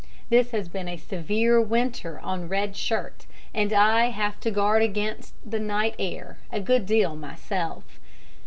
This has been a severe winter on Red Shirt; and I have to guard against the night air a good deal myself.